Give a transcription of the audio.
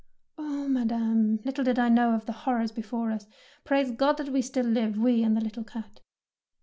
^' "Oh, Madame, little did I know of the horrors before us ! Praise Ood that we still live, we and the little cat."